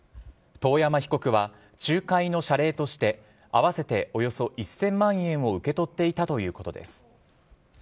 遠山被告は、仲介の謝礼として、合わせておよそ１０００万円を受け取っていたということです。